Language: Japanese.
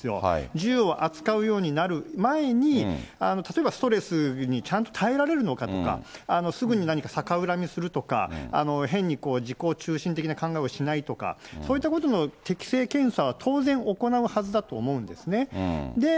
銃を扱うようになる前に、例えばストレスにちゃんと耐えられるのかとか、すぐに何か逆恨みするとか、変にこう、自己中心的な考えをしないとか、そういったことの適性検査は当然行うはずだと思うんですね。